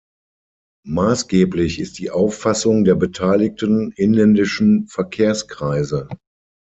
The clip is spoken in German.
Maßgeblich ist die Auffassung der beteiligten inländischen Verkehrskreise.